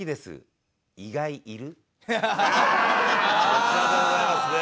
こちらでございますね。